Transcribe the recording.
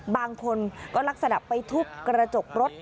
บางคนก็ลักษณะไปทุบกระจกรถ